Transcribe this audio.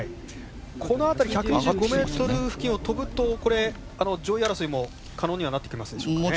この辺り１２５ｍ付近を飛ぶと上位争いも可能にはなってきますでしょうかね。